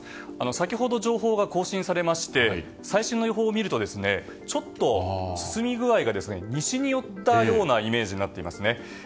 先ほど情報が更新されまして最新の予報を見るとちょっと進み具合が西に寄ったようなイメージになっていますね。